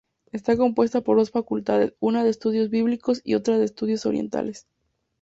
Está compuesta por dos facultades: una de estudios bíblicos y otra de estudios orientales.